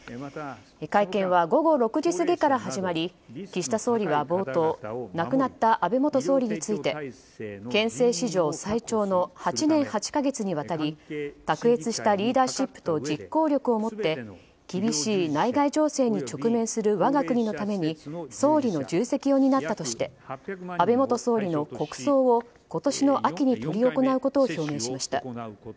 会見は午後６時過ぎから始まり岸田総理が冒頭亡くなった安倍元総理について憲政史上最長の８年８か月にわたり卓越したリーダーシップと実行力を持って厳しい内外情勢に直面する我が国のために総理の重責を担ったとして安倍元総理の国葬を今年の秋に執り行うことを表明しました。